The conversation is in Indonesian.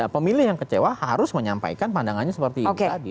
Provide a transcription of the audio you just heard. pemilih yang kecewa harus menyampaikan pandangannya seperti itu tadi